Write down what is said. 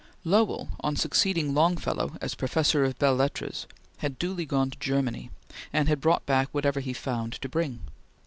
Lowell, on succeeding Longfellow as Professor of Belles Lettres, had duly gone to Germany, and had brought back whatever he found to bring.